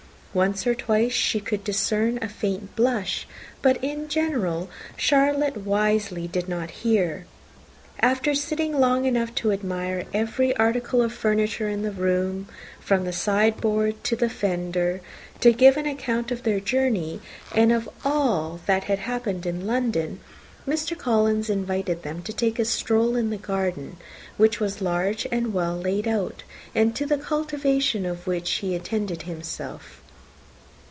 Once or twice she could discern a faint blush; but in general Charlotte wisely did not hear. After sitting long enough to admire every article of furniture in the room, from the sideboard to the fender, to give an account of their journey, and of all that had happened in London, Mr. Collins invited them to take a stroll in the garden, which was large and well laid out, and to the cultivation of which he attended himself.